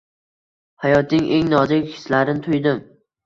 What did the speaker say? Hayotning eng nozik hislarin tuydim.